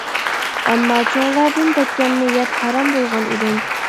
ئەمما چوڭلاردىن دەككەمنى يەپ ھارام بولغان ئىدىم.